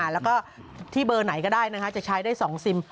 แล้วก็ที่เบอร์ไหนก็ได้จะใช้ได้๒ซิม